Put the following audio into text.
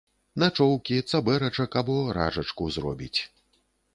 Начоўкі, цабэрачак або ражачку зробіць.